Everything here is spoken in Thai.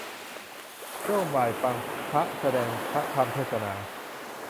ช่วงบ่าย ฟังพระแสดงพระธรรมเทศนา